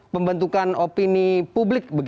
pembentukan opini publik